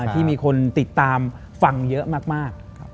ที่มีคนติดตามฟังเยอะมาก